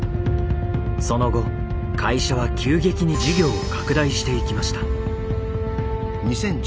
その後会社は急激に事業を拡大していきました。